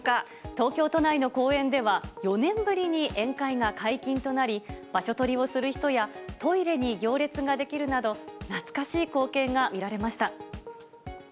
東京都内の公園では、４年ぶりに宴会が解禁となり、場所取りをする人や、トイレに行列が出来るなど、懐かしい光景が見られました。